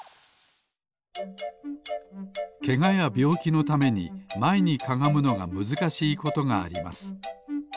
けがやびょうきのためにまえにかがむのがむずかしいことがあります。